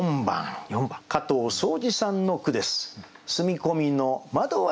４番加藤草児さんの句です。